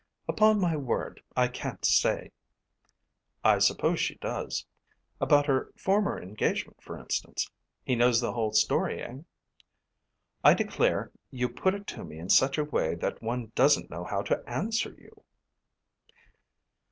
"Upon my word I can't say." "I suppose she does. About her former engagement, for instance. He knows the whole story, eh?" "I declare you put it to me in such a way that one doesn't know how to answer you."